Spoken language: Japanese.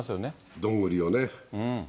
どんぐりをね。